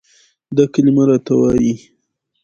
دا کلمه راته وايي،